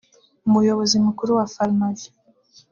Umuyobozi Mukuru wa Pharmavie